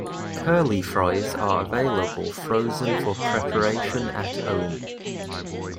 Curly fries are available frozen for preparation at home.